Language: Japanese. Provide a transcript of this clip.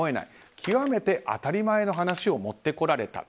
極めて当たり前の話を持ってこられた。